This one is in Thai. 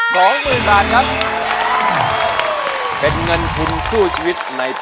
ทุกคนนะครับ